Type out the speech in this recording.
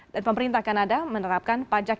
dan pemerintah kanada menerapkan pajak yang sangat berharga